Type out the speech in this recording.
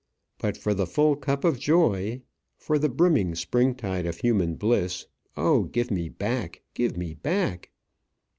But for the full cup of joy, for the brimming spring tide of human bliss, oh, give me back, give me back